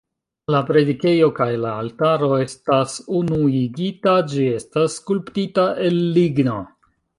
La predikejo kaj la altaro estas unuigita, ĝi estas skulptita el ligno.